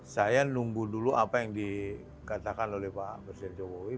saya nunggu dulu apa yang dikatakan oleh pak presiden jokowi